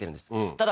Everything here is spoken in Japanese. ただ